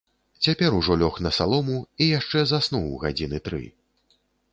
Цяпер ужо лёг на салому і яшчэ заснуў гадзіны тры.